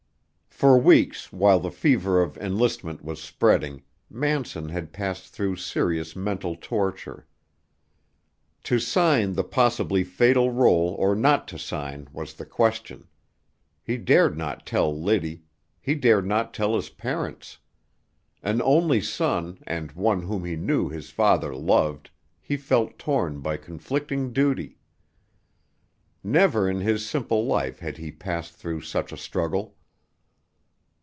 For weeks while the fever of enlistment was spreading, Manson had passed through serious mental torture. To sign the possibly fatal roll or not to sign was the question! He dared not tell Liddy; he dared not tell his parents. An only son, and one whom he knew his father loved, he felt torn by conflicting duty. Never in his simple life had he passed through such a struggle.